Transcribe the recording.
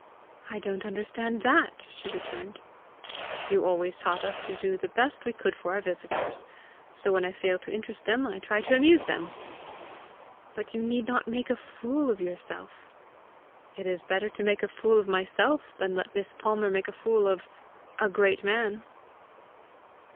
"I don't understand that!" she returned. "You always taught us to do the best we could for our visitors. So when I fail to interest them, I try to amuse them." "But you need not make a fool of yourself!" "It is better to make a fool of myself, than let Miss Palmer make a fool of a great man!"